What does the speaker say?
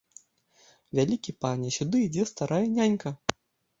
Вялікі пане, сюды ідзе старая нянька!